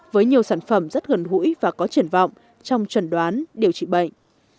với nhiều sản phẩm rất gần hũi và có triển vọng trong chuẩn đoán điều trị bệnh